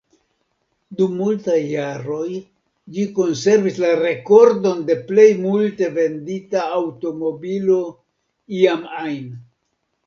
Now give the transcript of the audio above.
Dum multaj jaroj, ĝi konservis la rekordon de plej multe vendita aŭtomobilo iam ajn.